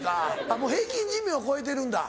もう平均寿命は超えてるんだ。